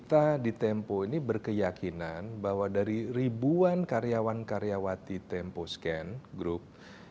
dan tempat temposcan ini berkeyakinan bahwa dari ribuan karyawan karyawati temposcan group